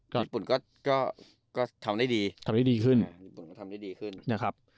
ญี่ปุ่นทำได้ดีขึ้น